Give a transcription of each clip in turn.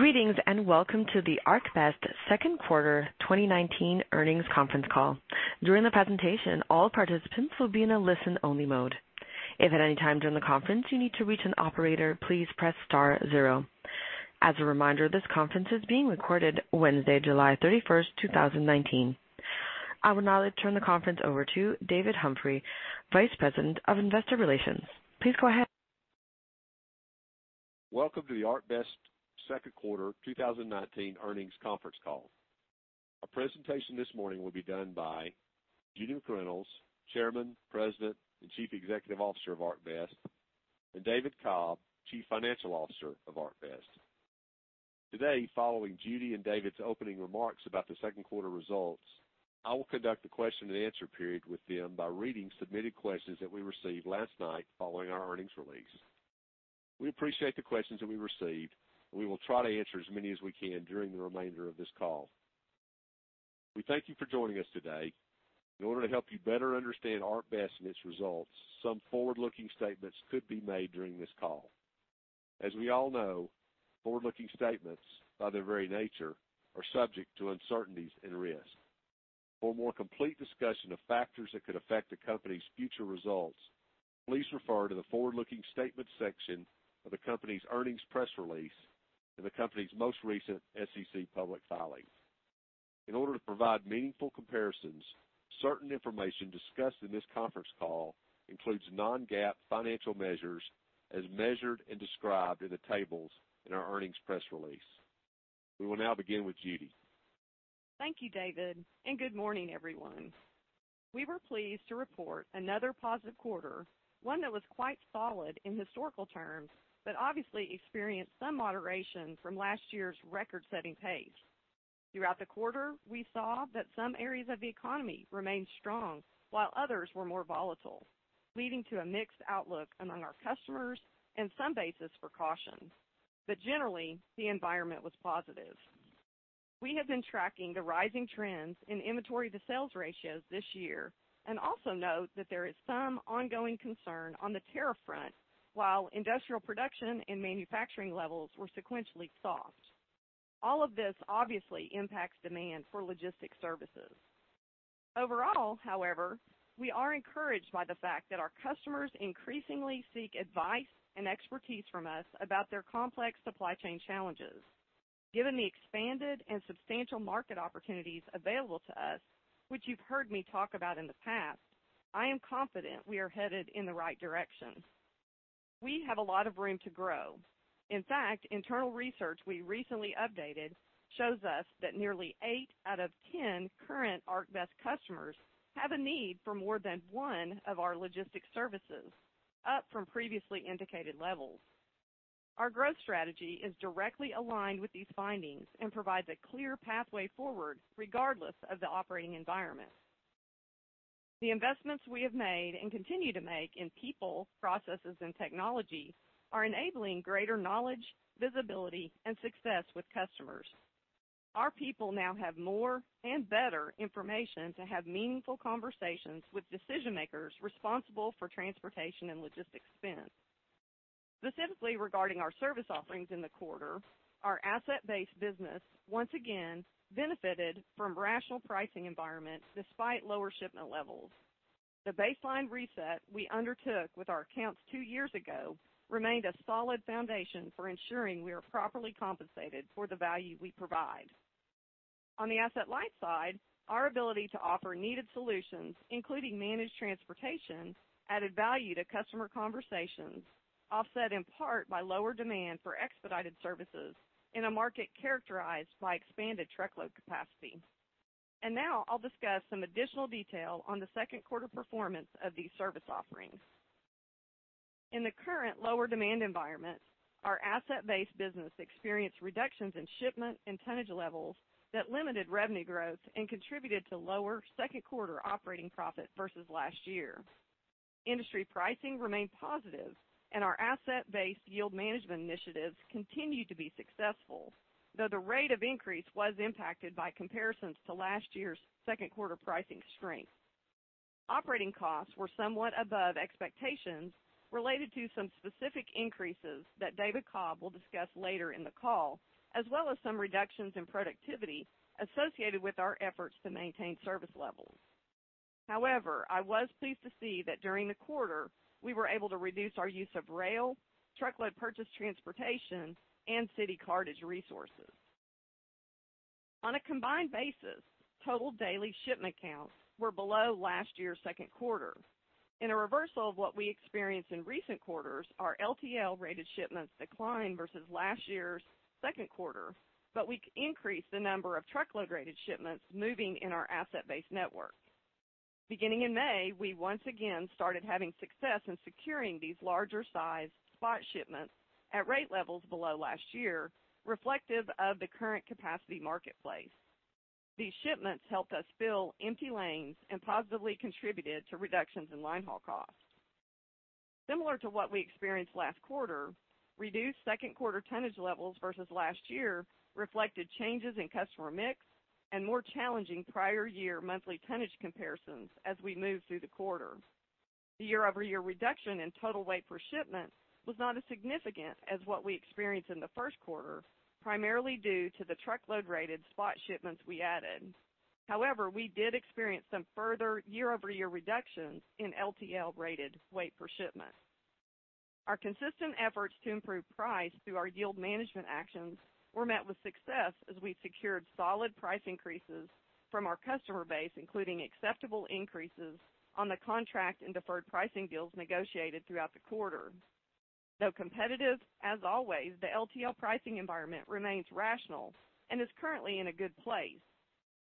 Greetings, and welcome to the ArcBest Second Quarter 2019 Earnings Conference Call. During the presentation, all participants will be in a listen-only mode. If at any time during the conference, you need to reach an operator, please press star zero. As a reminder, this conference is being recorded Wednesday, July 31st, 2019. I will now turn the conference over to David Humphrey, Vice President of Investor Relations. Please go ahead. Welcome to the ArcBest Second Quarter 2019 Earnings Conference Call. Our presentation this morning will be done by Judy McReynolds, Chairman, President, and Chief Executive Officer of ArcBest, and David Cobb, Chief Financial Officer of ArcBest. Today, following Judy and David's opening remarks about the second quarter results, I will conduct a question-and-answer period with them by reading submitted questions that we received last night following our earnings release. We appreciate the questions that we received, and we will try to answer as many as we can during the remainder of this call. We thank you for joining us today. In order to help you better understand ArcBest and its results, some forward-looking statements could be made during this call. As we all know, forward-looking statements, by their very nature, are subject to uncertainties and risks. For a more complete discussion of factors that could affect the company's future results, please refer to the Forward-Looking Statements section of the company's earnings press release and the company's most recent SEC public filing. In order to provide meaningful comparisons, certain information discussed in this conference call includes non-GAAP financial measures as measured and described in the tables in our earnings press release. We will now begin with Judy. Thank you, David, and good morning, everyone. We were pleased to report another positive quarter, one that was quite solid in historical terms, but obviously experienced some moderation from last year's record-setting pace. Throughout the quarter, we saw that some areas of the economy remained strong, while others were more volatile, leading to a mixed outlook among our customers and some basis for caution. But generally, the environment was positive. We have been tracking the rising trends in inventory-to-sales ratios this year and also note that there is some ongoing concern on the tariff front, while industrial production and manufacturing levels were sequentially soft. All of this obviously impacts demand for logistics services. Overall, however, we are encouraged by the fact that our customers increasingly seek advice and expertise from us about their complex supply chain challenges. Given the expanded and substantial market opportunities available to us, which you've heard me talk about in the past, I am confident we are headed in the right direction. We have a lot of room to grow. In fact, internal research we recently updated shows us that nearly eight out of 10 current ArcBest customers have a need for more than one of our logistics services, up from previously indicated levels. Our growth strategy is directly aligned with these findings and provides a clear pathway forward, regardless of the operating environment. The investments we have made and continue to make in people, processes, and technology are enabling greater knowledge, visibility, and success with customers. Our people now have more and better information to have meaningful conversations with decision-makers responsible for transportation and logistics spend. Specifically, regarding our service offerings in the quarter, our asset-based business once again benefited from rational pricing environment despite lower shipment levels. The baseline reset we undertook with our accounts two years ago remained a solid foundation for ensuring we are properly compensated for the value we provide. On the asset-light side, our ability to offer needed solutions, including managed transportation, added value to customer conversations, offset in part by lower demand for expedited services in a market characterized by expanded truckload capacity. Now I'll discuss some additional detail on the second quarter performance of these service offerings. In the current lower-demand environment, our asset-based business experienced reductions in shipment and tonnage levels that limited revenue growth and contributed to lower second quarter operating profit versus last year. Industry pricing remained positive, and our asset-based yield management initiatives continued to be successful, though the rate of increase was impacted by comparisons to last year's second quarter pricing strength. Operating costs were somewhat above expectations related to some specific increases that David Cobb will discuss later in the call, as well as some reductions in productivity associated with our efforts to maintain service levels. However, I was pleased to see that during the quarter, we were able to reduce our use of rail, truckload purchased transportation, and city cartage resources. On a combined basis, total daily shipment counts were below last year's second quarter. In a reversal of what we experienced in recent quarters, our LTL-rated shipments declined versus last year's second quarter, but we increased the number of truckload-rated shipments moving in our asset-based network. Beginning in May, we once again started having success in securing these larger-sized spot shipments at rate levels below last year, reflective of the current capacity marketplace. These shipments helped us fill empty lanes and positively contributed to reductions in line haul costs. Similar to what we experienced last quarter, reduced second-quarter tonnage levels versus last year reflected changes in customer mix and more challenging prior-year monthly tonnage comparisons as we moved through the quarter.... The year-over-year reduction in total weight per shipment was not as significant as what we experienced in the first quarter, primarily due to the truckload rated spot shipments we added. However, we did experience some further year-over-year reductions in LTL rated weight per shipment. Our consistent efforts to improve price through our yield management actions were met with success, as we secured solid price increases from our customer base, including acceptable increases on the contract and deferred pricing deals negotiated throughout the quarter. Though competitive, as always, the LTL pricing environment remains rational and is currently in a good place.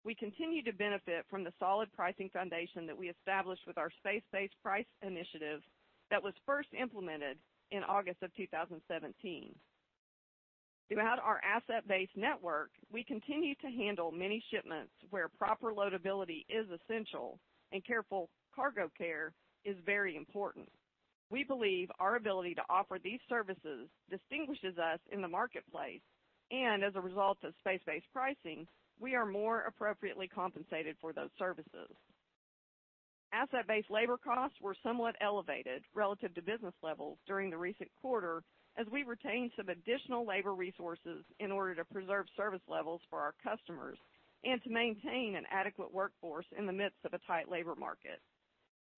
We continue to benefit from the solid pricing foundation that we established with our space-based price initiative that was first implemented in August of 2017. Throughout our asset-based network, we continue to handle many shipments where proper loadability is essential and careful cargo care is very important. We believe our ability to offer these services distinguishes us in the marketplace, and as a result of space-based pricing, we are more appropriately compensated for those services. asset-based labor costs were somewhat elevated relative to business levels during the recent quarter, as we retained some additional labor resources in order to preserve service levels for our customers and to maintain an adequate workforce in the midst of a tight labor market.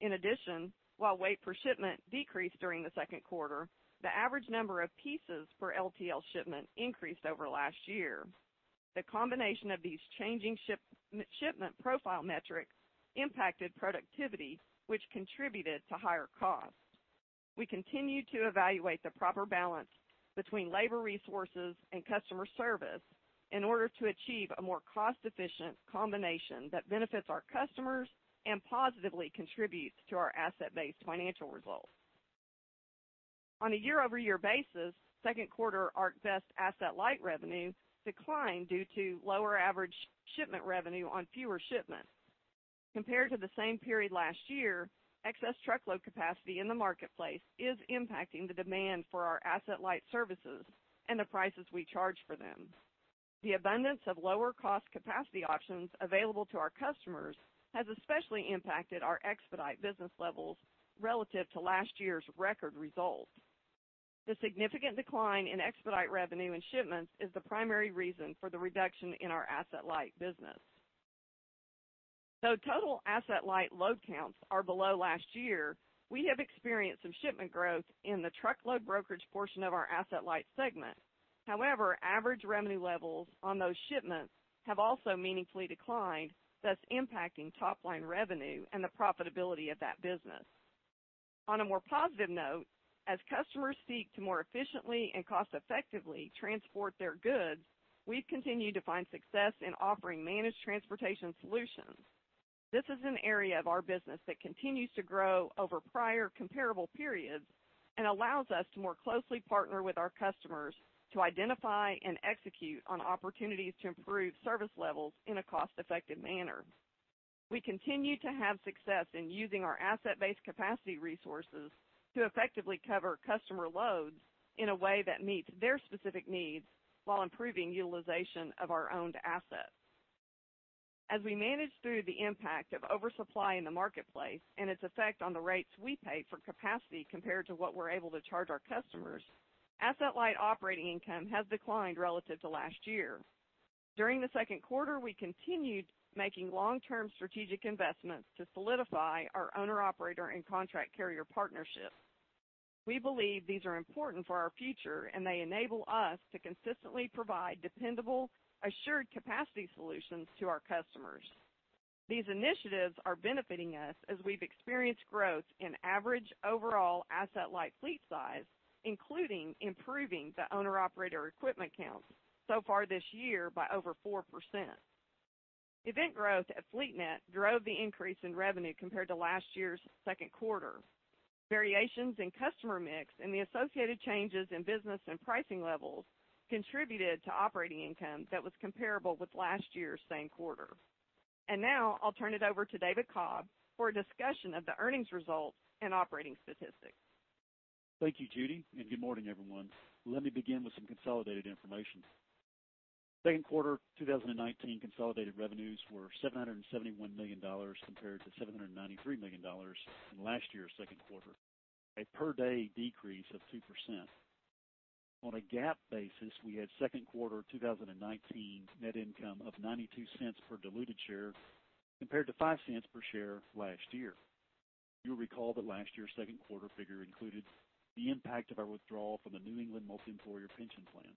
In addition, while weight per shipment decreased during the second quarter, the average number of pieces per LTL shipment increased over last year. The combination of these changing shipment profile metrics impacted productivity, which contributed to higher costs. We continue to evaluate the proper balance between labor resources and customer service in order to achieve a more cost-efficient combination that benefits our customers and positively contributes to our asset-based financial results. On a year-over-year basis, second quarter ArcBest asset-light revenue declined due to lower average shipment revenue on fewer shipments. Compared to the same period last year, excess truckload capacity in the marketplace is impacting the demand for our asset-light services and the prices we charge for them. The abundance of lower cost capacity options available to our customers has especially impacted our expedite business levels relative to last year's record results. The significant decline in expedite revenue and shipments is the primary reason for the reduction in our asset-light business. Though total asset-light load counts are below last year, we have experienced some shipment growth in the truckload brokerage portion of our asset-light segment. However, average revenue levels on those shipments have also meaningfully declined, thus impacting top-line revenue and the profitability of that business. On a more positive note, as customers seek to more efficiently and cost effectively transport their goods, we've continued to find success in offering managed transportation solutions. This is an area of our business that continues to grow over prior comparable periods and allows us to more closely partner with our customers to identify and execute on opportunities to improve service levels in a cost-effective manner. We continue to have success in using our asset-based capacity resources to effectively cover customer loads in a way that meets their specific needs while improving utilization of our owned assets. As we manage through the impact of oversupply in the marketplace and its effect on the rates we pay for capacity compared to what we're able to charge our customers, asset-light operating income has declined relative to last year. During the second quarter, we continued making long-term strategic investments to solidify our owner-operator and contract carrier partnerships. We believe these are important for our future, and they enable us to consistently provide dependable, assured capacity solutions to our customers. These initiatives are benefiting us as we've experienced growth in average overall Asset-Light fleet size, including improving the owner-operator equipment count so far this year by over 4%. Event growth at FleetNet drove the increase in revenue compared to last year's second quarter. Variations in customer mix and the associated changes in business and pricing levels contributed to operating income that was comparable with last year's same quarter. Now I'll turn it over to David Cobb for a discussion of the earnings results and operating statistics. Thank you, Judy, and good morning, everyone. Let me begin with some consolidated information. Second quarter 2019 consolidated revenues were $771 million compared to $793 million in last year's second quarter, a per-day decrease of 2%. On a GAAP basis, we had second quarter 2019 net income of $0.92 per diluted share, compared to $0.05 per share last year. You'll recall that last year's second quarter figure included the impact of our withdrawal from the New England Teamsters and Trucking Industry Pension Fund.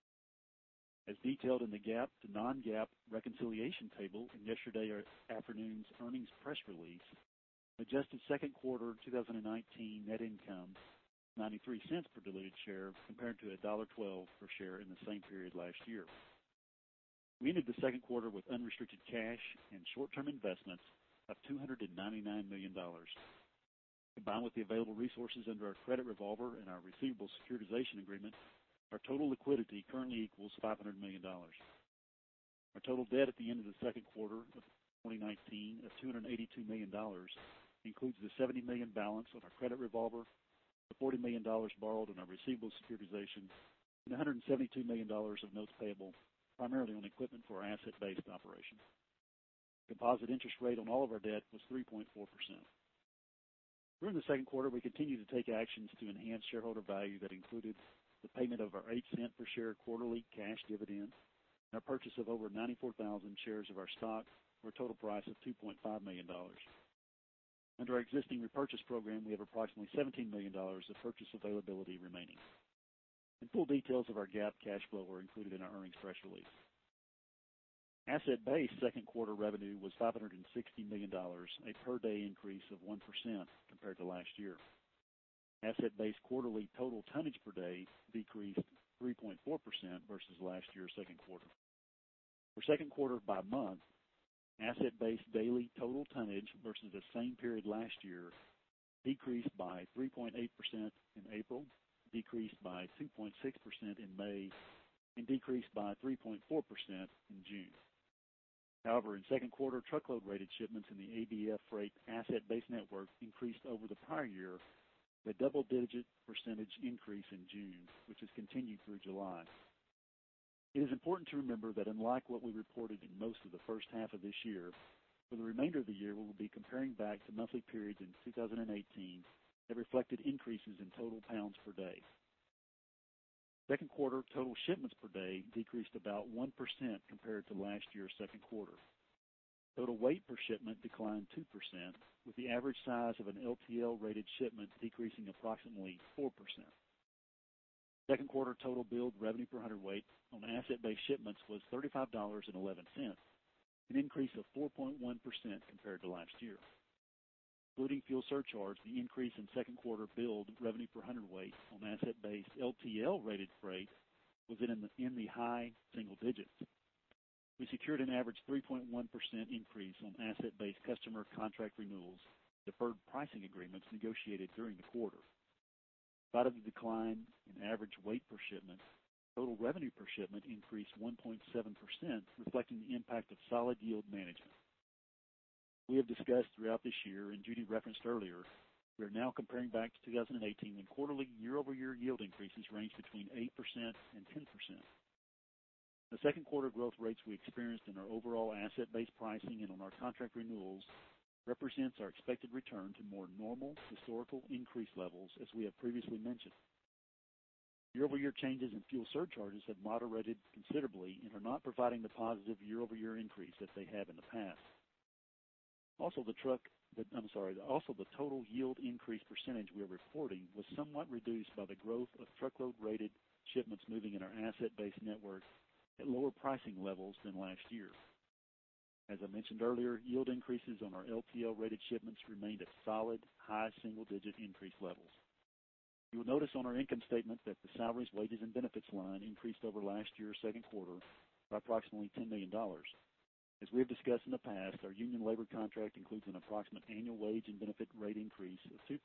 As detailed in the GAAP to non-GAAP reconciliation table in yesterday afternoon's earnings press release, adjusted second quarter 2019 net income, $0.93 per diluted share, compared to $1.12 per share in the same period last year. We ended the second quarter with unrestricted cash and short-term investments of $299 million. Combined with the available resources under our credit revolver and our receivable securitization agreement, our total liquidity currently equals $500 million. Our total debt at the end of the second quarter of 2019 is $282 million, which includes the $70 million balance on our credit revolver, the $40 million borrowed on our receivable securitizations, and $172 million of notes payable, primarily on equipment for our asset-based operations. The weighted-average interest rate on all of our debt was 3.4%. During the second quarter, we continued to take actions to enhance shareholder value that included the payment of our $0.08 per share quarterly cash dividends, and our purchase of over 94,000 shares of our stock for a total price of $2.5 million. Under our existing repurchase program, we have approximately $17 million of purchase availability remaining. The full details of our GAAP cash flow are included in our earnings press release. asset-based second quarter revenue was $560 million, a per day increase of 1% compared to last year. asset-based quarterly total tonnage per day decreased 3.4% versus last year's second quarter. For second quarter by month, asset-based daily total tonnage versus the same period last year, decreased by 3.8% in April, decreased by 2.6% in May, and decreased by 3.4% in June. However, in second quarter, truckload rated shipments in the ABF Freight asset-based network increased over the prior year, with a double-digit percentage increase in June, which has continued through July. It is important to remember that unlike what we reported in most of the first half of this year, for the remainder of the year, we will be comparing back to monthly periods in 2018 that reflected increases in total pounds per day. Second quarter total shipments per day decreased about 1% compared to last year's second quarter. Total weight per shipment declined 2%, with the average size of an LTL-rated shipment decreasing approximately 4%. Second quarter total billed revenue per hundredweight on asset-based shipments was $35.11, an increase of 4.1% compared to last year. Including fuel surcharge, the increase in second quarter billed revenue per hundredweight on asset-based LTL-rated freight was in the high single digits. We secured an average 3.1% increase on asset-based customer contract renewals, deferred pricing agreements negotiated during the quarter. Despite the decline in average weight per shipment, total revenue per shipment increased 1.7%, reflecting the impact of solid yield management. We have discussed throughout this year, and Judy referenced earlier, we are now comparing back to 2018, when quarterly year-over-year yield increases ranged between 8% and 10%. The second quarter growth rates we experienced in our overall asset-based pricing and on our contract renewals, represents our expected return to more normal historical increase levels, as we have previously mentioned. Year-over-year changes in fuel surcharges have moderated considerably and are not providing the positive year-over-year increase as they have in the past. Also, the total yield increase percentage we are reporting was somewhat reduced by the growth of truckload-rated shipments moving in our asset-based network at lower pricing levels than last year. As I mentioned earlier, yield increases on our LTL rated shipments remained at solid, high single-digit increase levels. You will notice on our income statement that the salaries, wages, and benefits line increased over last year's second quarter by approximately $10 million. As we have discussed in the past, our union labor contract includes an approximate annual wage and benefit rate increase of 2%.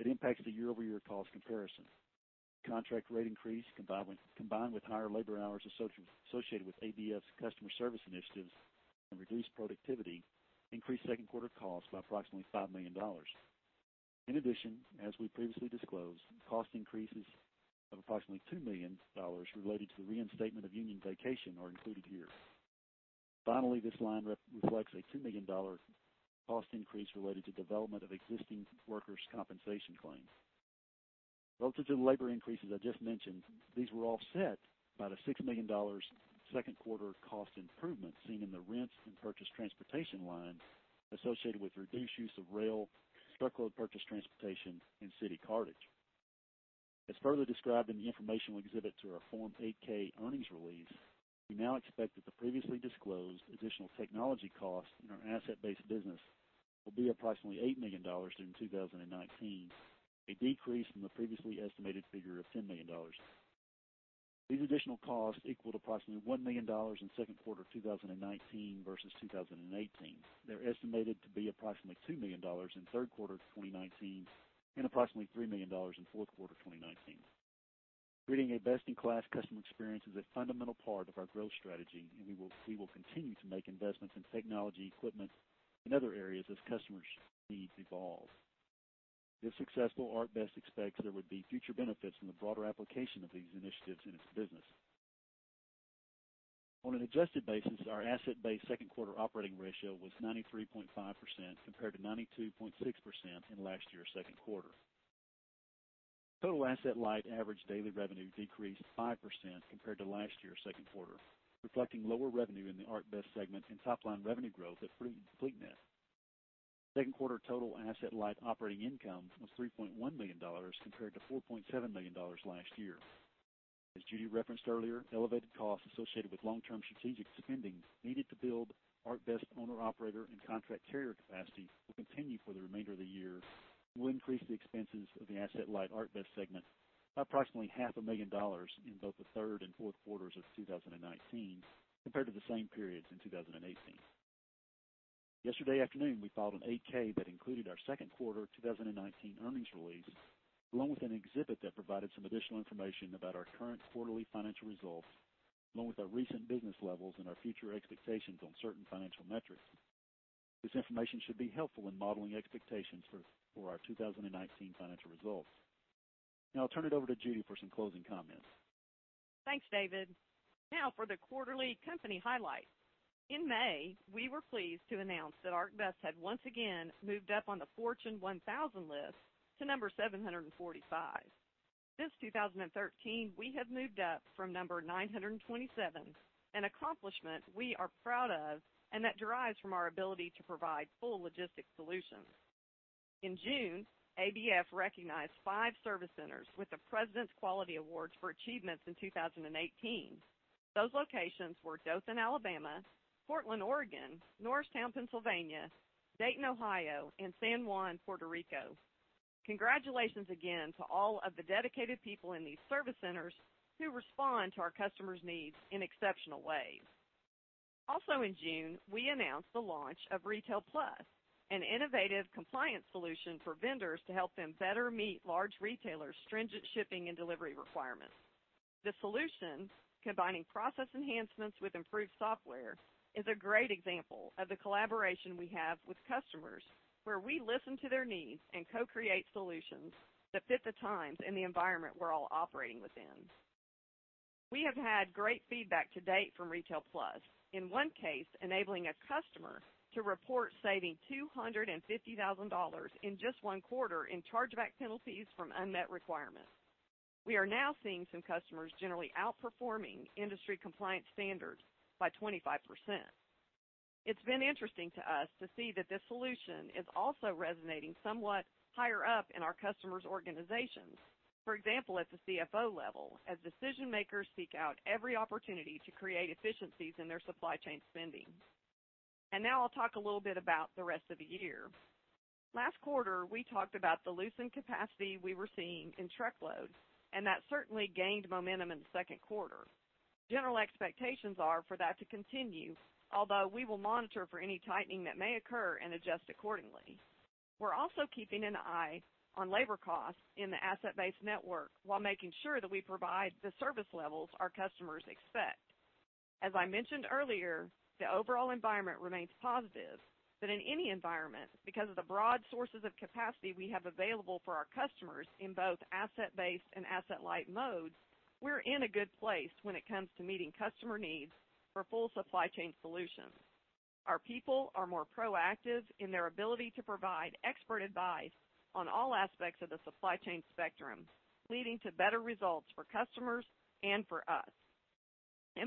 It impacts the year-over-year cost comparison. Contract rate increase, combined with higher labor hours associated with ABF's customer service initiatives and reduced productivity, increased second quarter costs by approximately $5 million. In addition, as we previously disclosed, cost increases of approximately $2 million related to the reinstatement of union vacation are included here. Finally, this line reflects a $2 million cost increase related to development of existing workers' compensation claims. Relative to the labor increases I just mentioned, these were offset by the $6 million second quarter cost improvement seen in the rents and purchased transportation lines associated with reduced use of rail, truckload purchased transportation, and city cartage. As further described in the informational exhibit to our Form 8-K earnings release, we now expect that the previously disclosed additional technology costs in our asset-based business will be approximately $8 million during 2019, a decrease from the previously estimated figure of $10 million. These additional costs equal to approximately $1 million in second quarter 2019 versus 2018. They're estimated to be approximately $2 million in third quarter of 2019, and approximately $3 million in fourth quarter of 2019. Creating a best-in-class customer experience is a fundamental part of our growth strategy, and we will see we'll continue to make investments in technology, equipment, and other areas as customers' needs evolves. If successful, ArcBest expects there would be future benefits in the broader application of these initiatives in its business. On an adjusted basis, our asset-based second quarter operating ratio was 93.5%, compared to 92.6% in last year's second quarter. Total Asset-Light average daily revenue decreased 5% compared to last year's second quarter, reflecting lower revenue in the ArcBest segment and top line revenue growth at FleetNet. Second quarter total Asset-Light operating income was $3.1 million, compared to $4.7 million last year. As Judy referenced earlier, elevated costs associated with long-term strategic spending needed to build ArcBest owner-operator, and contract carrier capacity, will continue for the remainder of the year, will increase the expenses of the Asset-Light ArcBest segment by approximately $500,000 in both the third and fourth quarters of 2019, compared to the same periods in 2018. Yesterday afternoon, we filed an 8-K that included our second quarter 2019 earnings release, along with an exhibit that provided some additional information about our current quarterly financial results, along with our recent business levels and our future expectations on certain financial metrics. ...This information should be helpful in modeling expectations for our 2019 financial results. Now I'll turn it over to Judy for some closing comments. Thanks, David. Now for the quarterly company highlights. In May, we were pleased to announce that ABF had once again moved up on the Fortune 1000 list to number 745. Since 2013, we have moved up from number 927, an accomplishment we are proud of, and that derives from our ability to provide full logistics solutions. In June, ABF recognized five service centers with the President's Quality Awards for achievements in 2018. Those locations were Dothan, Alabama, Portland, Oregon, Norristown, Pennsylvania, Dayton, Ohio, and San Juan, Puerto Rico. Congratulations again to all of the dedicated people in these service centers who respond to our customers' needs in exceptional ways. Also in June, we announced the launch of Retail+, an innovative compliance solution for vendors to help them better meet large retailers' stringent shipping and delivery requirements. The solution, combining process enhancements with improved software, is a great example of the collaboration we have with customers, where we listen to their needs and co-create solutions that fit the times and the environment we're all operating within. We have had great feedback to date from Retail+, in one case, enabling a customer to report saving $250,000 in just one quarter in chargeback penalties from unmet requirements. We are now seeing some customers generally outperforming industry compliance standards by 25%. It's been interesting to us to see that this solution is also resonating somewhat higher up in our customers' organizations. For example, at the CFO level, as decision makers seek out every opportunity to create efficiencies in their supply chain spending. And now I'll talk a little bit about the rest of the year. Last quarter, we talked about the loosened capacity we were seeing in truckload, and that certainly gained momentum in the second quarter. General expectations are for that to continue, although we will monitor for any tightening that may occur and adjust accordingly. We're also keeping an eye on labor costs in the asset-based network while making sure that we provide the service levels our customers expect. As I mentioned earlier, the overall environment remains positive, but in any environment, because of the broad sources of capacity we have available for our customers in both asset-based and Asset-Light modes, we're in a good place when it comes to meeting customer needs for full supply chain solutions. Our people are more proactive in their ability to provide expert advice on all aspects of the supply chain spectrum, leading to better results for customers and for us.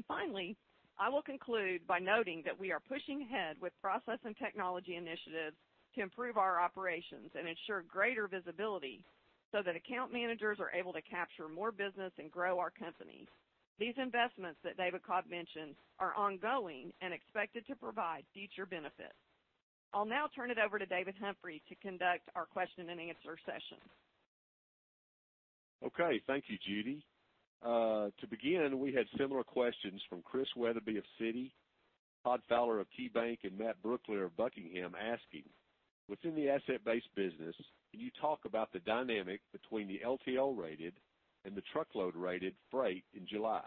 Finally, I will conclude by noting that we are pushing ahead with process and technology initiatives to improve our operations and ensure greater visibility so that account managers are able to capture more business and grow our company. These investments that David Cobb mentioned are ongoing and expected to provide future benefits. I'll now turn it over to David Humphrey to conduct our question and answer session. Okay. Thank you, Judy. To begin, we had similar questions from Chris Wetherbee of Citi, Todd Fowler of KeyBanc, and Matt Brooklier of Buckingham, asking, "Within the asset-based business, can you talk about the dynamic between the LTL-rated and the truckload-rated freight in July?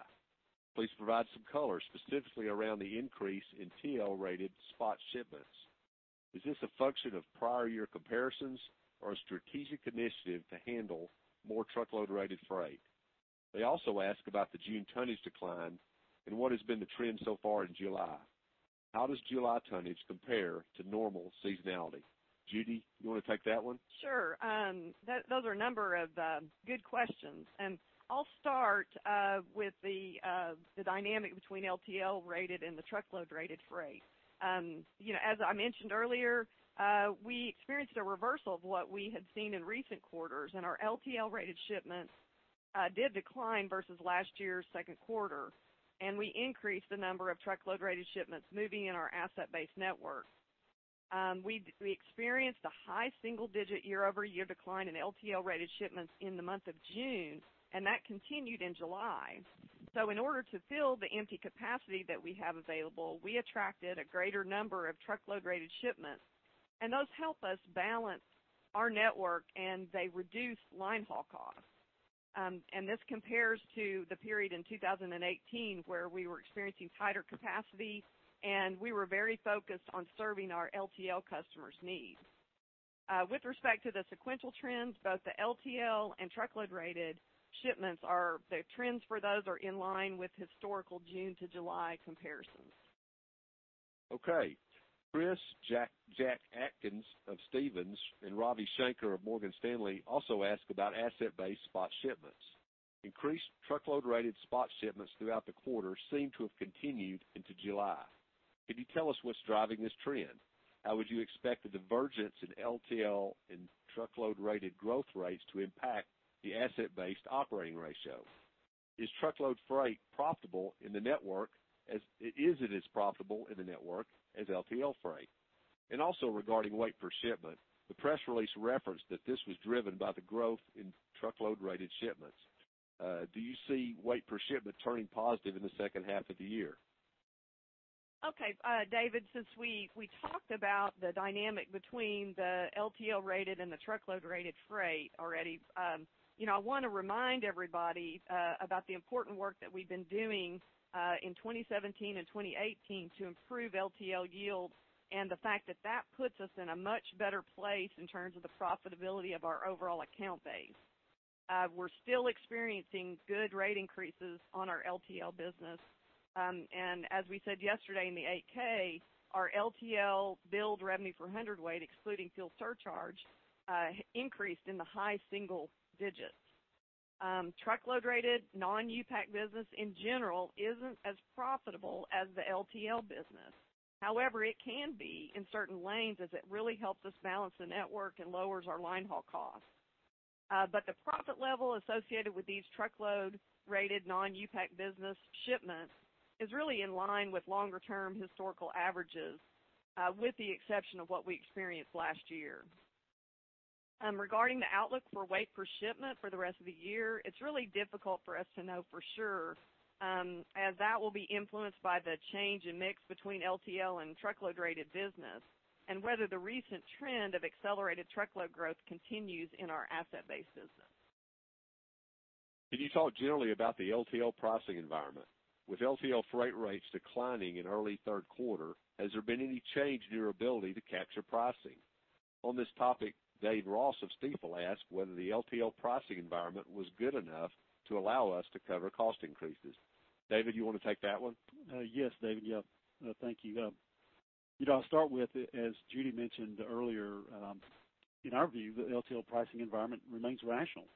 Please provide some color, specifically around the increase in TL-rated spot shipments. Is this a function of prior year comparisons or a strategic initiative to handle more truckload-rated freight?" They also ask about the June tonnage decline and what has been the trend so far in July. How does July tonnage compare to normal seasonality? Judy, you wanna take that one? Sure. Those are a number of good questions, and I'll start with the dynamic between LTL-rated and the truckload-rated freight. You know, as I mentioned earlier, we experienced a reversal of what we had seen in recent quarters, and our LTL-rated shipments did decline versus last year's second quarter, and we increased the number of truckload-rated shipments moving in our asset-based network. We experienced a high single-digit year-over-year decline in LTL-rated shipments in the month of June, and that continued in July. So in order to fill the empty capacity that we have available, we attracted a greater number of truckload-rated shipments, and those help us balance our network, and they reduce line haul costs. And this compares to the period in 2018, where we were experiencing tighter capacity, and we were very focused on serving our LTL customers' needs. With respect to the sequential trends, both the LTL and truckload-rated shipments are... The trends for those are in line with historical June to July comparisons. Okay. Chris, Jack, Jack Atkins of Stephens Inc. and Ravi Shanker of Morgan Stanley also asked about asset-based spot shipments. Increased truckload-rated spot shipments throughout the quarter seem to have continued into July. Can you tell us what's driving this trend? How would you expect the divergence in LTL and truckload-rated growth rates to impact the asset-based operating ratio? Is truckload freight profitable in the network as... Is it as profitable in the network as LTL freight? And also, regarding weight per shipment, the press release referenced that this was driven by the growth in truckload-rated shipments. Do you see weight per shipment turning positive in the second half of the year? ... Okay, David, since we talked about the dynamic between the LTL rated and the truckload rated freight already, you know, I wanna remind everybody about the important work that we've been doing in 2017 and 2018 to improve LTL yields, and the fact that that puts us in a much better place in terms of the profitability of our overall account base. We're still experiencing good rate increases on our LTL business. And as we said yesterday in the 8-K, our LTL billed revenue for hundredweight, excluding fuel surcharge, increased in the high single digits. Truckload rated, non-U-Pack business, in general, isn't as profitable as the LTL business. However, it can be in certain lanes, as it really helps us balance the network and lowers our line haul costs. But the profit level associated with these truckload-rated non-U-Pack business shipments is really in line with longer-term historical averages, with the exception of what we experienced last year. Regarding the outlook for weight per shipment for the rest of the year, it's really difficult for us to know for sure, as that will be influenced by the change in mix between LTL and truckload-rated business, and whether the recent trend of accelerated truckload growth continues in our asset-based business. Can you talk generally about the LTL pricing environment? With LTL freight rates declining in early third quarter, has there been any change in your ability to capture pricing? On this topic, Dave Ross of Stifel asked whether the LTL pricing environment was good enough to allow us to cover cost increases. David, you wanna take that one? Yes, David. Yep. Thank you. You know, I'll start with, as Judy mentioned earlier, in our view, the LTL pricing environment remains rational.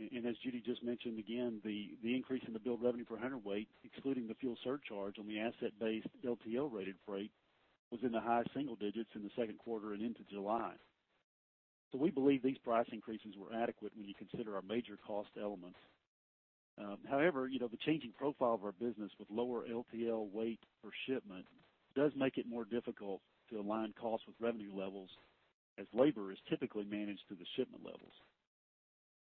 And as Judy just mentioned again, the increase in the billed revenue per hundredweight, excluding the fuel surcharge on the asset-based LTL rated freight, was in the high single digits in the second quarter and into July. So we believe these price increases were adequate when you consider our major cost elements. However, you know, the changing profile of our business with lower LTL weight per shipment does make it more difficult to align costs with revenue levels, as labor is typically managed through the shipment levels.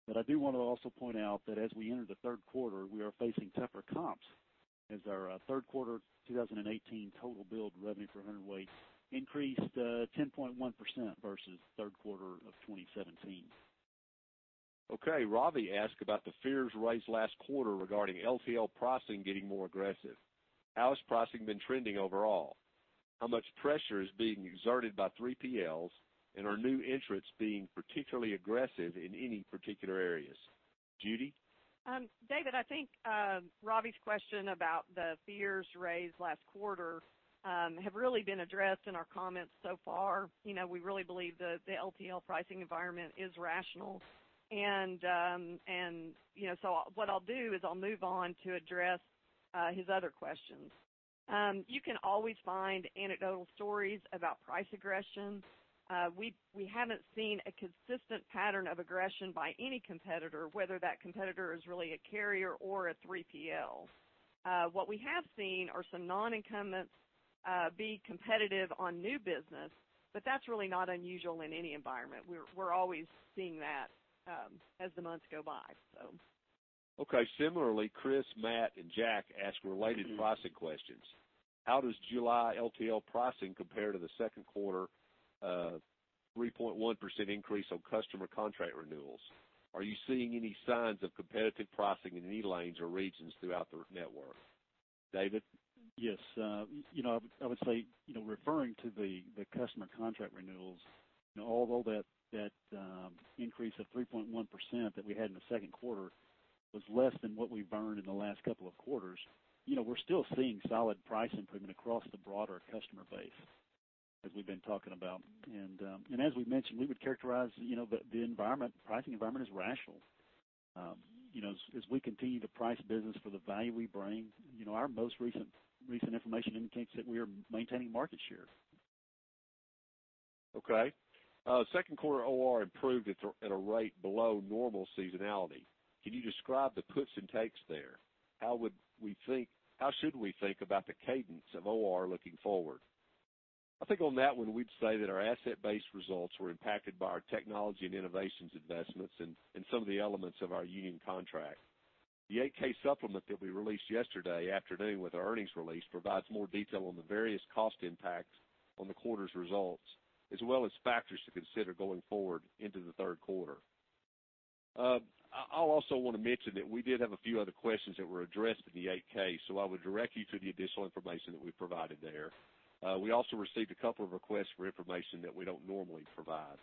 But I do wanna also point out that as we enter the third quarter, we are facing tougher comps, as our third quarter 2018 total billed revenue for hundredweight increased ten point one percent versus third quarter of 2017. Okay. Ravi asked about the fears raised last quarter regarding LTL pricing getting more aggressive. How has pricing been trending overall? How much pressure is being exerted by 3PLs, and are new entrants being particularly aggressive in any particular areas? Judy? David, I think Ravi's question about the fears raised last quarter have really been addressed in our comments so far. You know, we really believe the LTL pricing environment is rational. And, you know, so what I'll do is I'll move on to address his other questions. You can always find anecdotal stories about price aggression. We haven't seen a consistent pattern of aggression by any competitor, whether that competitor is really a carrier or a 3PL. What we have seen are some non-incumbents be competitive on new business, but that's really not unusual in any environment. We're always seeing that as the months go by, so. Okay. Similarly, Chris, Matt and Jack asked related pricing questions. How does July LTL pricing compare to the second quarter, 3.1% increase on customer contract renewals? Are you seeing any signs of competitive pricing in any lanes or regions throughout the network? David? Yes. You know, I would say, you know, referring to the customer contract renewals, although that increase of 3.1% that we had in the second quarter was less than what we've earned in the last couple of quarters. You know, we're still seeing solid price improvement across the broader customer base, as we've been talking about. And as we've mentioned, we would characterize, you know, the environment, pricing environment, as rational. You know, as we continue to price business for the value we bring, you know, our most recent information indicates that we are maintaining market share. Okay. Second quarter OR improved at a rate below normal seasonality. Can you describe the gives and takes there? How would we think... How should we think about the cadence of OR looking forward? I think on that one, we'd say that our asset-based results were impacted by our technology and innovations investments and some of the elements of our union contract. The 8-K supplement that we released yesterday afternoon with our earnings release provides more detail on the various cost impacts on the quarter's results, as well as factors to consider going forward into the third quarter. I also want to mention that we did have a few other questions that were addressed in the 8-K, so I would direct you to the additional information that we provided there. We also received a couple of requests for information that we don't normally provide.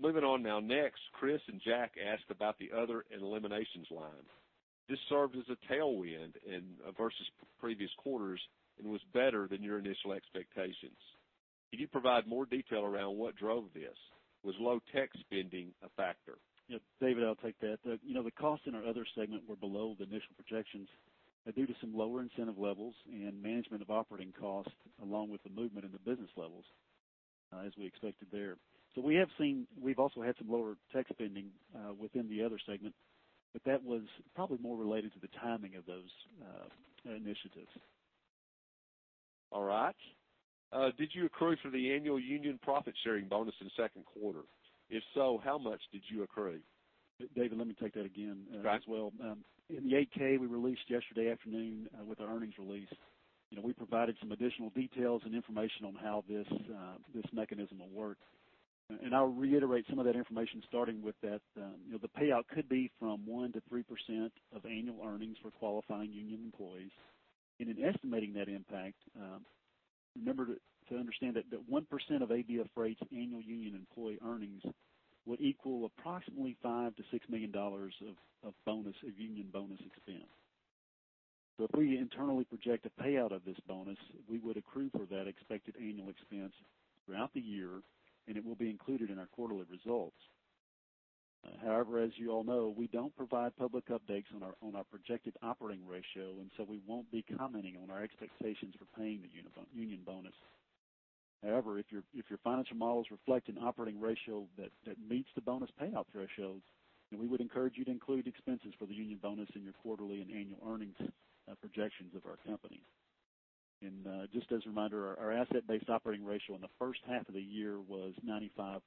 Moving on now. Next, Chris and Jack asked about the other and eliminations line. This served as a tailwind in versus previous quarters and was better than your initial expectations. Can you provide more detail around what drove this? Was low tech spending a factor? Yeah, David, I'll take that. You know, the costs in our other segment were below the initial projections, due to some lower incentive levels and management of operating costs, along with the movement in the business levels, as we expected there. So we have seen... We've also had some lower tech spending, within the other segment, but that was probably more related to the timing of those, initiatives. All right, did you accrue for the annual union profit sharing bonus in the second quarter? If so, how much did you accrue? David, let me take that again, as well. Got it. In the 8-K we released yesterday afternoon, with the earnings release, you know, we provided some additional details and information on how this, this mechanism will work. I'll reiterate some of that information, starting with that, you know, the payout could be from 1%-3% of annual earnings for qualifying union employees. In estimating that impact, remember to understand that one percent of ABF Freight's annual union employee earnings would equal approximately $5 million-$6 million of union bonus expense. If we internally project a payout of this bonus, we would accrue for that expected annual expense throughout the year, and it will be included in our quarterly results. However, as you all know, we don't provide public updates on our projected operating ratio, and so we won't be commenting on our expectations for paying the union bonus. However, if your financial models reflect an operating ratio that meets the bonus payout thresholds, then we would encourage you to include expenses for the union bonus in your quarterly and annual earnings projections of our company. Just as a reminder, our asset-based operating ratio in the first half of the year was 95.3%.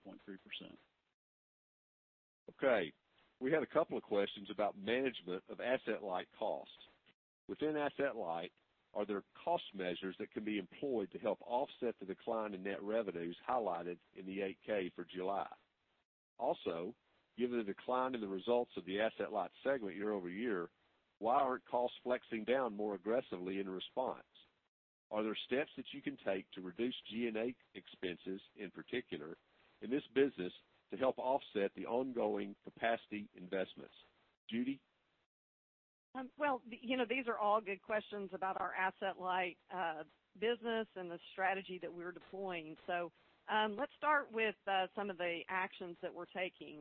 Okay, we had a couple of questions about management of Asset-Light costs. Within Asset-Light, are there cost measures that can be employed to help offset the decline in net revenues highlighted in the 8-K for July? Also, given the decline in the results of the Asset-Light segment year-over-year, why aren't costs flexing down more aggressively in response? Are there steps that you can take to reduce G&A expenses, in particular, in this business to help offset the ongoing capacity investments? Judy? Well, you know, these are all good questions about our Asset-Light business and the strategy that we're deploying. So, let's start with some of the actions that we're taking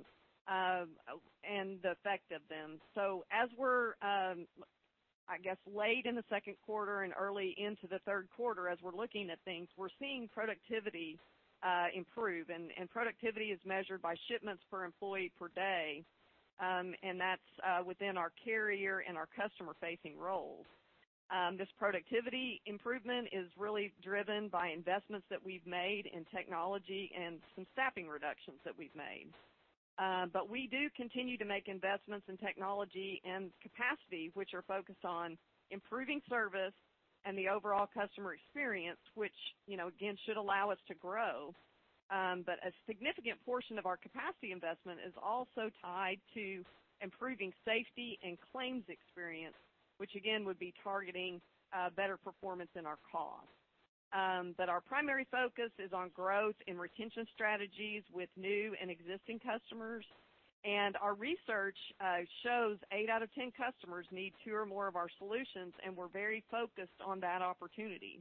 and the effect of them. So as we're, I guess, late in the second quarter and early into the third quarter, as we're looking at things, we're seeing productivity improve. And productivity is measured by shipments per employee per day, and that's within our carrier and our customer-facing roles. This productivity improvement is really driven by investments that we've made in technology and some staffing reductions that we've made. But we do continue to make investments in technology and capacity, which are focused on improving service and the overall customer experience, which, you know, again, should allow us to grow. But a significant portion of our capacity investment is also tied to improving safety and claims experience, which again, would be targeting better performance in our costs. But our primary focus is on growth and retention strategies with new and existing customers. And our research shows eight out of ten customers need two or more of our solutions, and we're very focused on that opportunity.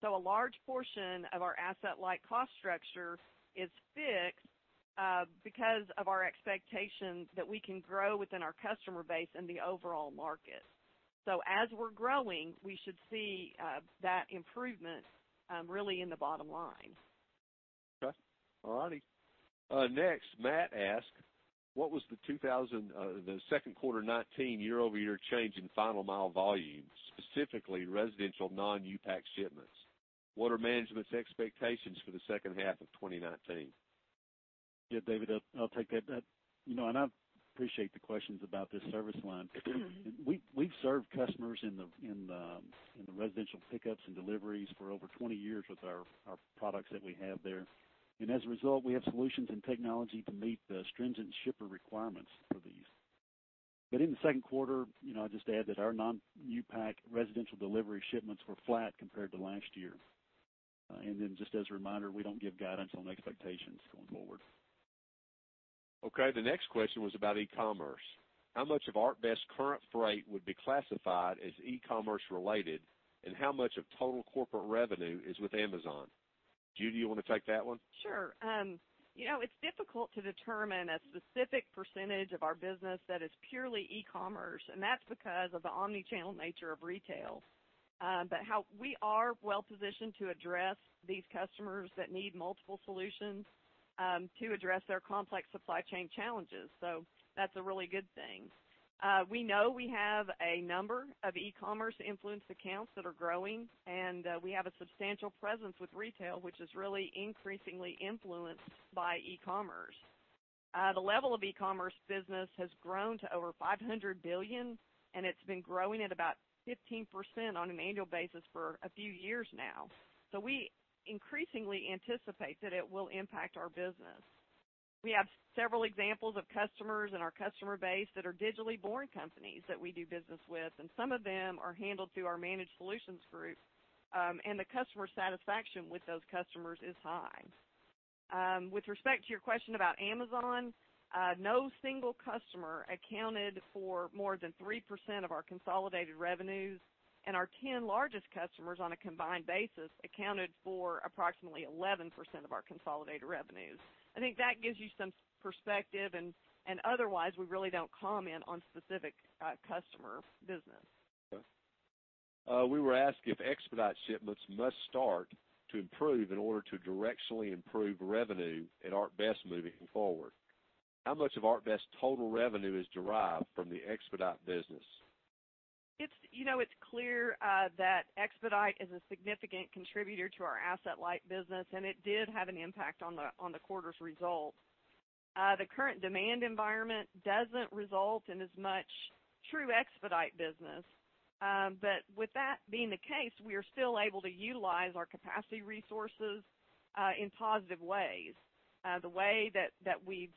So a large portion of our Asset-Light cost structure is fixed because of our expectations that we can grow within our customer base and the overall market. So as we're growing, we should see that improvement really in the bottom line. Okay. All righty. Next, Matt asked: What was the second quarter 2019 year-over-year change in final mile volumes, specifically residential non-U-Pack shipments? What are management's expectations for the second half of 2019? Yeah, David, I'll, I'll take that. You know, and I appreciate the questions about this service line. We've served customers in the residential pickups and deliveries for over 20 years with our products that we have there. And as a result, we have solutions and technology to meet the stringent shipper requirements for these. But in the second quarter, you know, I'll just add that our non-U-Pack residential delivery shipments were flat compared to last year. And then just as a reminder, we don't give guidance on expectations going forward. Okay, the next question was about e-commerce. How much of ArcBest current freight would be classified as e-commerce related, and how much of total corporate revenue is with Amazon? Judy, you want to take that one? Sure. You know, it's difficult to determine a specific percentage of our business that is purely e-commerce, and that's because of the omni-channel nature of retail. We are well positioned to address these customers that need multiple solutions, to address their complex supply chain challenges, so that's a really good thing. We know we have a number of e-commerce influenced accounts that are growing, and, we have a substantial presence with retail, which is really increasingly influenced by e-commerce. The level of e-commerce business has grown to over $500 billion, and it's been growing at about 15% on an annual basis for a few years now. So we increasingly anticipate that it will impact our business. We have several examples of customers in our customer base that are digitally born companies that we do business with, and some of them are handled through our managed solutions group, and the customer satisfaction with those customers is high. With respect to your question about Amazon, no single customer accounted for more than 3% of our consolidated revenues, and our 10 largest customers on a combined basis accounted for approximately 11% of our consolidated revenues. I think that gives you some perspective, and, and otherwise, we really don't comment on specific, customer business. Okay. We were asked if expedite shipments must start to improve in order to directionally improve revenue at ArcBest moving forward. How much of ArcBest's total revenue is derived from the expedite business?... It's, you know, it's clear that expedite is a significant contributor to our asset-light business, and it did have an impact on the quarter's result. The current demand environment doesn't result in as much true expedite business. But with that being the case, we are still able to utilize our capacity resources in positive ways. The way that we've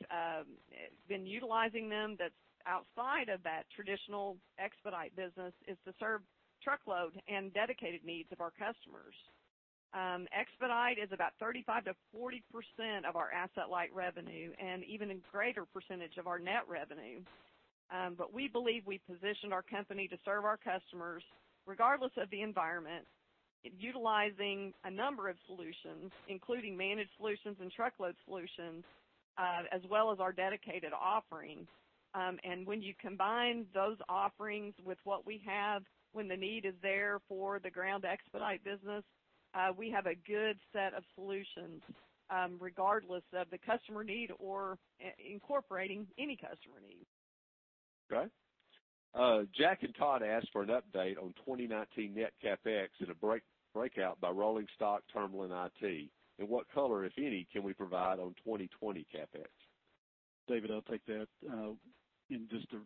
been utilizing them that's outside of that traditional expedite business is to serve truckload and dedicated needs of our customers. Expedite is about 35%-40% of our asset-light revenue and even a greater percentage of our net revenue. But we believe we positioned our company to serve our customers, regardless of the environment, utilizing a number of solutions, including managed solutions and truckload solutions, as well as our dedicated offerings. And when you combine those offerings with what we have, when the need is there for the ground expedite business, we have a good set of solutions, regardless of the customer need or incorporating any customer need. Okay. Jack and Todd asked for an update on 2019 net CapEx and a break, breakout by rolling stock, terminal, and IT. And what color, if any, can we provide on 2020 CapEx? David, I'll take that. And just a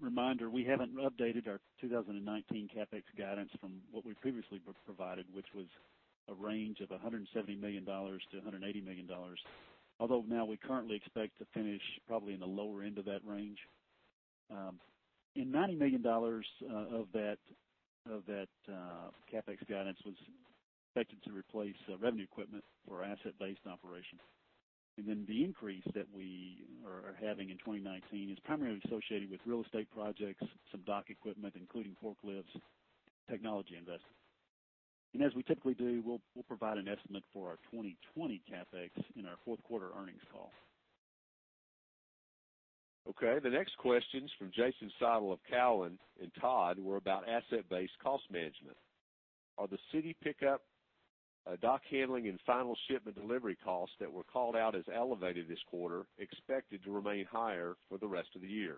reminder, we haven't updated our 2019 CapEx guidance from what we previously provided, which was a range of $170 million-$180 million, although now we currently expect to finish probably in the lower end of that range. And $90 million of that CapEx guidance was expected to replace revenue equipment for asset-based operations. And then the increase that we are having in 2019 is primarily associated with real estate projects, some dock equipment, including forklifts, technology investments. And as we typically do, we'll provide an estimate for our 2020 CapEx in our fourth quarter earnings call. Okay, the next question's from Jason Seidl of Cowen and Todd, were about asset-based cost management. Are the city pickup, dock handling and final shipment delivery costs that were called out as elevated this quarter expected to remain higher for the rest of the year?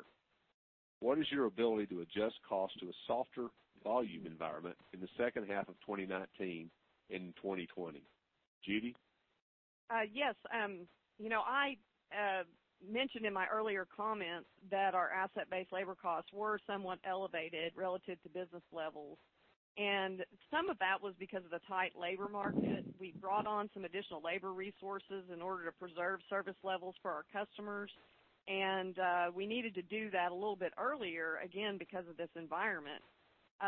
What is your ability to adjust costs to a softer volume environment in the second half of 2019 and in 2020? Judy? Yes. You know, I mentioned in my earlier comments that our asset-based labor costs were somewhat elevated relative to business levels. Some of that was because of the tight labor market. We brought on some additional labor resources in order to preserve service levels for our customers, and we needed to do that a little bit earlier, again, because of this environment.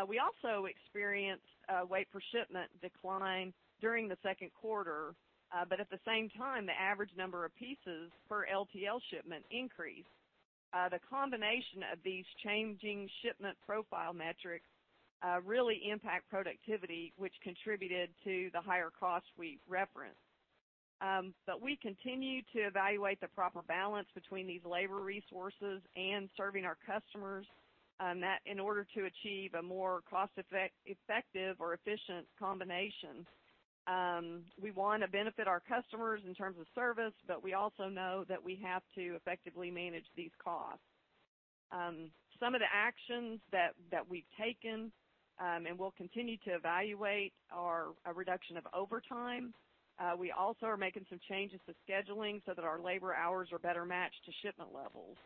We also experienced a weight per shipment decline during the second quarter, but at the same time, the average number of pieces per LTL shipment increased. The combination of these changing shipment profile metrics really impact productivity, which contributed to the higher costs we referenced. But we continue to evaluate the proper balance between these labor resources and serving our customers, that in order to achieve a more cost effect-effective or efficient combination. We wanna benefit our customers in terms of service, but we also know that we have to effectively manage these costs. Some of the actions that we've taken, and we'll continue to evaluate, are a reduction of overtime. We also are making some changes to scheduling so that our labor hours are better matched to shipment levels.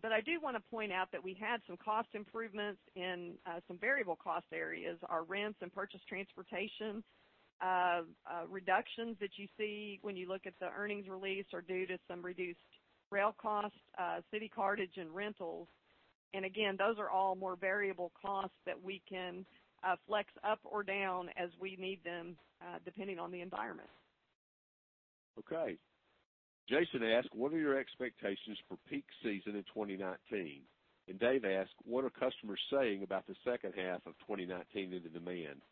But I do wanna point out that we had some cost improvements in some variable cost areas. Our rents and purchased transportation reductions that you see when you look at the earnings release are due to some reduced rail costs, city cartage and rentals. And again, those are all more variable costs that we can flex up or down as we need them, depending on the environment. Okay. Jason asked, "What are your expectations for peak season in 2019?" And Dave asked, "What are customers saying about the second half of 2019 in the demand?"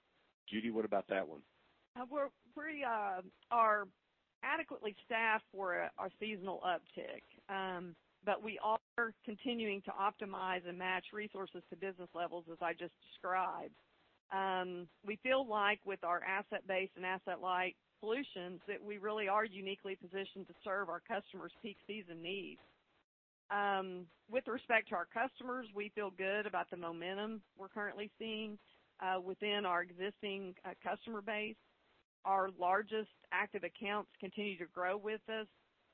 Judy, what about that one? We're pretty adequately staffed for our seasonal uptick, but we are continuing to optimize and match resources to business levels, as I just described. We feel like with our asset base and asset-light solutions, that we really are uniquely positioned to serve our customers' peak season needs. With respect to our customers, we feel good about the momentum we're currently seeing within our existing customer base. Our largest active accounts continue to grow with us,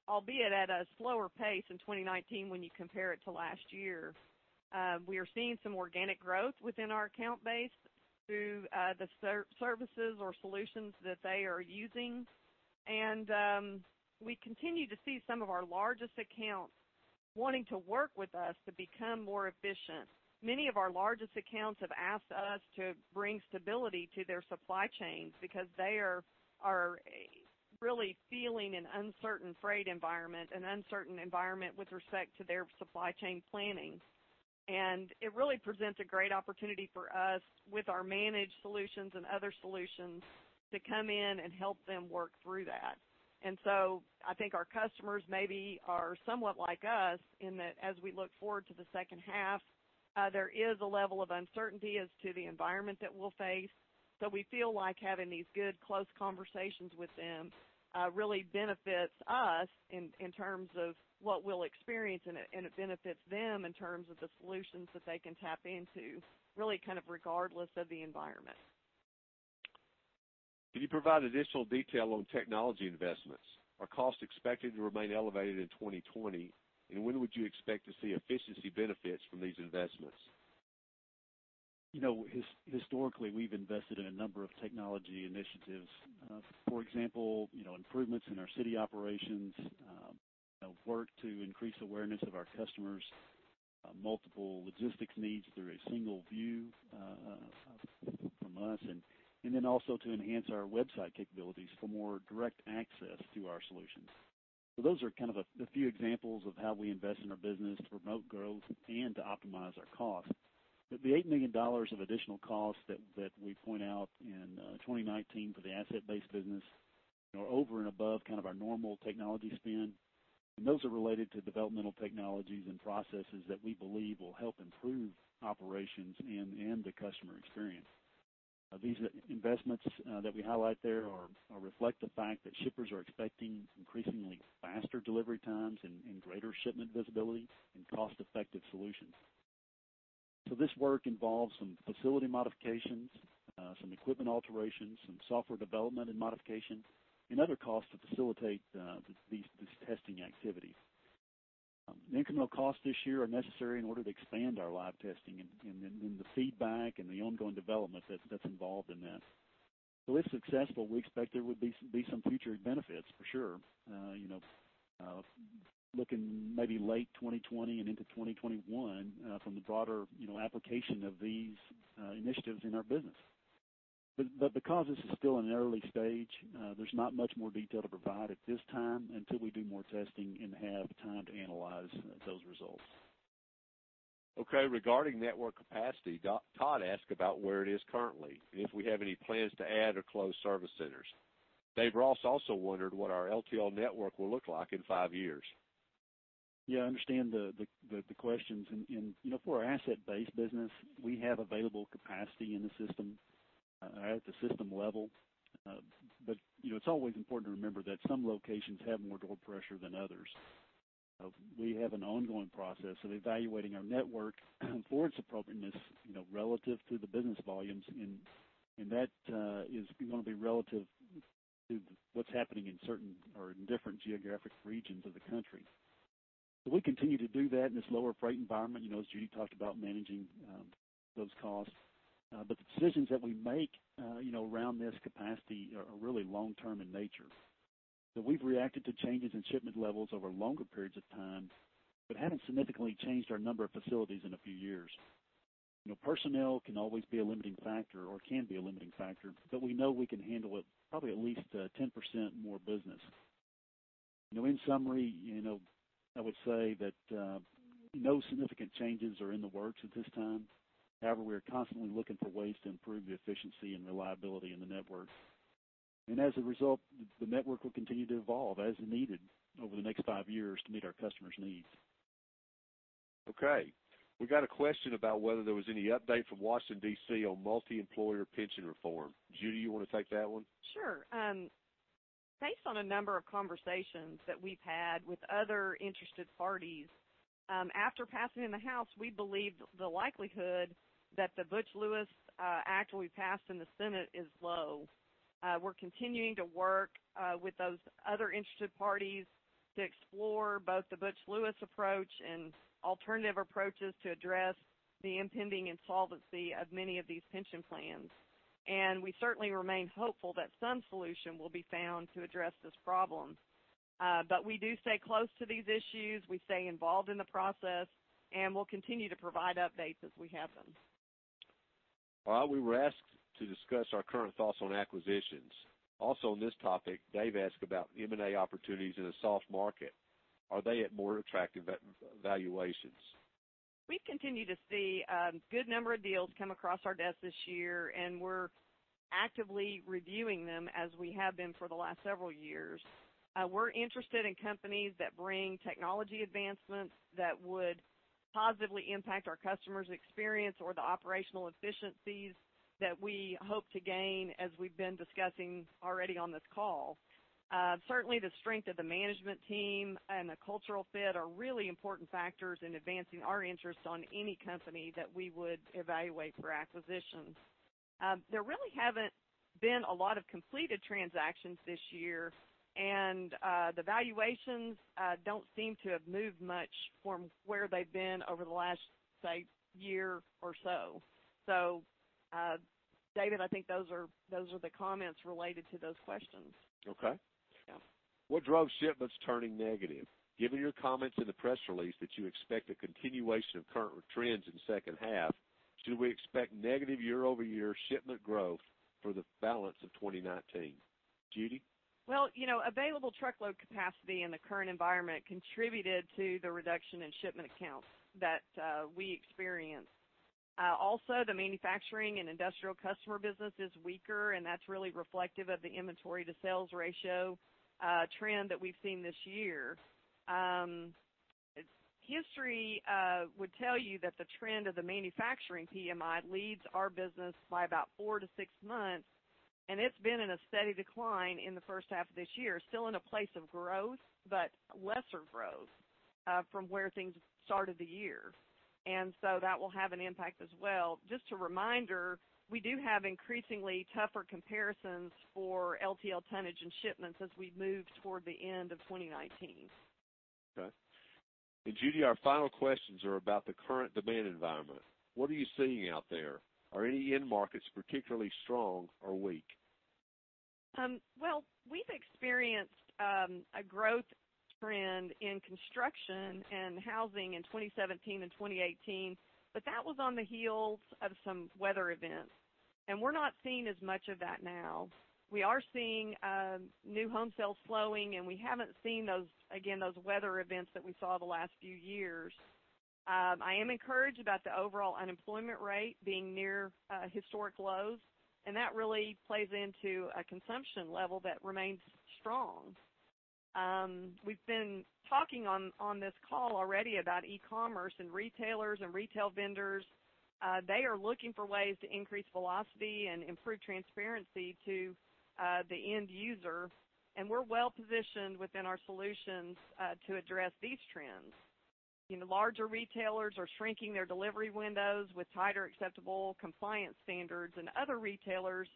albeit at a slower pace in 2019 when you compare it to last year. We are seeing some organic growth within our account base through the services or solutions that they are using. We continue to see some of our largest accounts wanting to work with us to become more efficient. Many of our largest accounts have asked us to bring stability to their supply chains because they are really feeling an uncertain freight environment, an uncertain environment with respect to their supply chain planning. It really presents a great opportunity for us with our managed solutions and other solutions to come in and help them work through that. So I think our customers maybe are somewhat like us in that as we look forward to the second half, there is a level of uncertainty as to the environment that we'll face... We feel like having these good, close conversations with them really benefits us in terms of what we'll experience, and it benefits them in terms of the solutions that they can tap into, really kind of regardless of the environment. Can you provide additional detail on technology investments? Are costs expected to remain elevated in 2020, and when would you expect to see efficiency benefits from these investments? You know, historically, we've invested in a number of technology initiatives. For example, you know, improvements in our city operations, work to increase awareness of our customers, multiple logistics needs through a single view, from us, and then also to enhance our website capabilities for more direct access to our solutions. So those are kind of the few examples of how we invest in our business to promote growth and to optimize our costs. But the $8 million of additional costs that we point out in 2019 for the asset-based business are over and above kind of our normal technology spend, and those are related to developmental technologies and processes that we believe will help improve operations and the customer experience. These investments that we highlight there reflect the fact that shippers are expecting increasingly faster delivery times and greater shipment visibility and cost-effective solutions. So this work involves some facility modifications, some equipment alterations, some software development and modifications, and other costs to facilitate these testing activities. The incremental costs this year are necessary in order to expand our live testing and then the feedback and the ongoing development that's involved in this. So if successful, we expect there would be some future benefits for sure, you know, looking maybe late 2020 and into 2021, from the broader, you know, application of these initiatives in our business. But because this is still in an early stage, there's not much more detail to provide at this time until we do more testing and have time to analyze those results. Okay. Regarding network capacity, Todd asked about where it is currently, and if we have any plans to add or close service centers. Dave Ross also wondered what our LTL network will look like in five years. Yeah, I understand the questions. And you know, for our asset-based business, we have available capacity in the system at the system level. But you know, it's always important to remember that some locations have more door pressure than others. We have an ongoing process of evaluating our network for its appropriateness, you know, relative to the business volumes, and that is gonna be relative to what's happening in certain or in different geographic regions of the country. So we continue to do that in this lower freight environment, you know, as Judy talked about, managing those costs. But the decisions that we make, you know, around this capacity are really long term in nature. So we've reacted to changes in shipment levels over longer periods of time, but haven't significantly changed our number of facilities in a few years. You know, personnel can always be a limiting factor or can be a limiting factor, but we know we can handle it, probably at least 10% more business. You know, in summary, you know, I would say that no significant changes are in the works at this time. However, we are constantly looking for ways to improve the efficiency and reliability in the network. And as a result, the network will continue to evolve as needed over the next five years to meet our customers' needs. Okay, we got a question about whether there was any update from Washington, D.C., on multiemployer pension reform. Judy, you wanna take that one? Sure. Based on a number of conversations that we've had with other interested parties, after passing in the House, we believe the likelihood that the Butch Lewis Act will be passed in the Senate is low. We're continuing to work with those other interested parties to explore both the Butch Lewis approach and alternative approaches to address the impending insolvency of many of these pension plans. We certainly remain hopeful that some solution will be found to address this problem. We do stay close to these issues, we stay involved in the process, and we'll continue to provide updates as we have them. We were asked to discuss our current thoughts on acquisitions. Also on this topic, Dave asked about M&A opportunities in a soft market. Are they at more attractive valuations? We've continued to see good number of deals come across our desk this year, and we're actively reviewing them, as we have been for the last several years. We're interested in companies that bring technology advancements that would positively impact our customers' experience or the operational efficiencies that we hope to gain, as we've been discussing already on this call. Certainly, the strength of the management team and the cultural fit are really important factors in advancing our interest on any company that we would evaluate for acquisitions. There really haven't been a lot of completed transactions this year, and the valuations don't seem to have moved much from where they've been over the last, say, year or so. So, David, I think those are, those are the comments related to those questions. Okay. Yeah. What drove shipments turning negative? Given your comments in the press release that you expect a continuation of current trends in the second half, should we expect negative year-over-year shipment growth for the balance of 2019? Judy? Well, you know, available truckload capacity in the current environment contributed to the reduction in shipment counts that, we experienced. Also, the manufacturing and industrial customer business is weaker, and that's really reflective of the inventory-to-sales ratio, trend that we've seen this year. History would tell you that the trend of the manufacturing PMI leads our business by about four to six months, and it's been in a steady decline in the first half of this year. Still in a place of growth, but lesser growth, from where things started the year. And so that will have an impact as well. Just a reminder, we do have increasingly tougher comparisons for LTL tonnage and shipments as we move toward the end of 2019. Okay. And Judy, our final questions are about the current demand environment. What are you seeing out there? Are any end markets particularly strong or weak? Well, we've experienced a growth trend in construction and housing in 2017 and 2018, but that was on the heels of some weather events, and we're not seeing as much of that now. We are seeing new home sales slowing, and we haven't seen those, again, those weather events that we saw the last few years. I am encouraged about the overall unemployment rate being near historic lows, and that really plays into a consumption level that remains strong. We've been talking on, on this call already about e-commerce and retailers and retail vendors. They are looking for ways to increase velocity and improve transparency to the end user, and we're well positioned within our solutions to address these trends. You know, larger retailers are shrinking their delivery windows with tighter acceptable compliance standards, and other retailers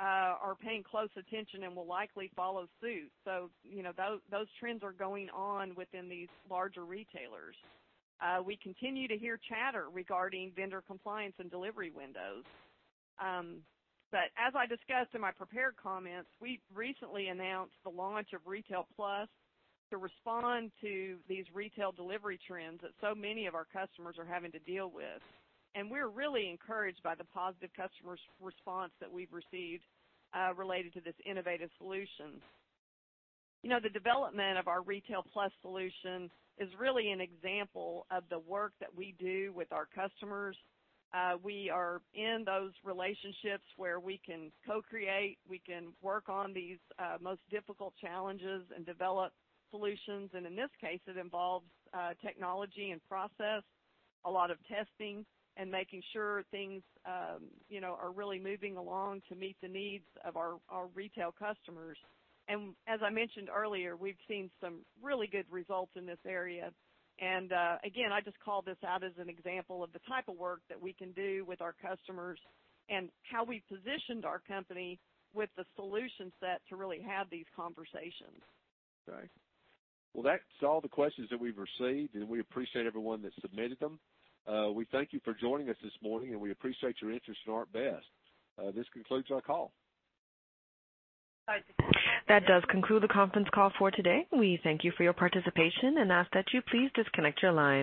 are paying close attention and will likely follow suit. You know, those trends are going on within these larger retailers. We continue to hear chatter regarding vendor compliance and delivery windows. But as I discussed in my prepared comments, we recently announced the launch of Retail+ to respond to these retail delivery trends that so many of our customers are having to deal with. We're really encouraged by the positive customers response that we've received, related to this innovative solution. You know, the development of our Retail+ solution is really an example of the work that we do with our customers. We are in those relationships where we can co-create, we can work on these most difficult challenges and develop solutions, and in this case, it involves technology and process, a lot of testing and making sure things, you know, are really moving along to meet the needs of our retail customers. As I mentioned earlier, we've seen some really good results in this area. Again, I just call this out as an example of the type of work that we can do with our customers and how we positioned our company with the solution set to really have these conversations. Okay. Well, that's all the questions that we've received, and we appreciate everyone that submitted them. We thank you for joining us this morning, and we appreciate your interest in ArcBest. This concludes our call. That does conclude the conference call for today. We thank you for your participation and ask that you please disconnect your line.